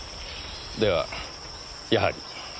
ではやはり。